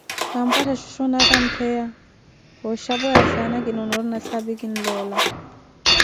kampattha shoshonaka mpeya, wa oshapweya saana, kinoona yoori nasaapi kinloola.